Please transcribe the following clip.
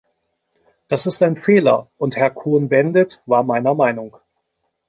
Das ist ein Fehler, und Herr Cohn-Bendit war meiner Meinung.